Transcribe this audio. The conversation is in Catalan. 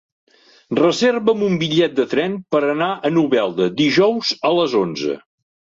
Reserva'm un bitllet de tren per anar a Novelda dijous a les onze.